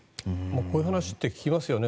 こういう話って聞きますよね。